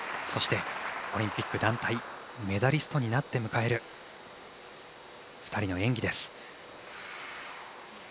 そして、オリンピック団体メダリストになって迎える２人の演技です。